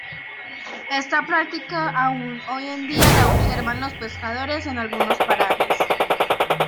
Esta práctica aún hoy en día la observan los pescadores en algunos parajes.